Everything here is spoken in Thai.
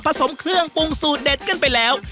สมเครื่องปรุงสูตรเด็ดกันไปแล้ว